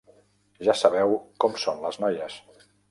Ja sabeu com són les noies.